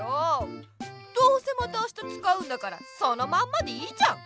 どうせまたあしたつかうんだからそのまんまでいいじゃん！